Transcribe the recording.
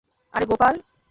আরে, গোপাল!